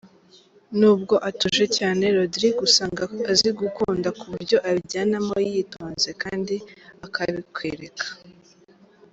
Nubwo atuje cyane, Rodrigue usanga azi gukunda ku buryo abijyamo yitonze kandi akabikwereka.